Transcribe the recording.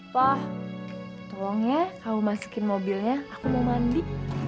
wah tolong ya kamu masukin mobilnya aku mau mandi